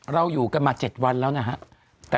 เราอยู่กันมา๗วันแล้วนะฮะ